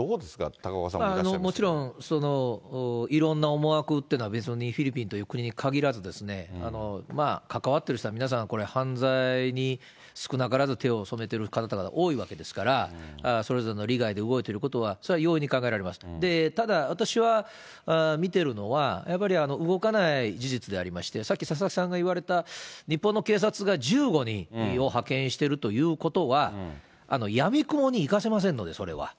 高もちろん、いろんな思惑っていうのは、別にフィリピンという国にかぎらず、関わってる人は皆さんこれ、犯罪に少なからず手を染めている方が多いわけですから、それぞれの利害で動いていることは、それは容易に考えられますと、ただ、私は見てるのは、やっぱり動かない事実でありまして、さっき佐々木さんが言われた、日本の警察が１５人を派遣しているということは、やみくもに行かせませんので、それは。